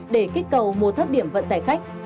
để kích cầu mua thấp điểm vận tải khách